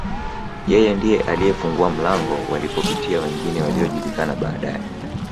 Yeye ndiye aliyefungua mlango walipopitia wengine waliojulikana baadae